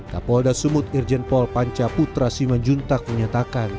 kapolda sumut irjenpol panca putra siman juntak menyatakan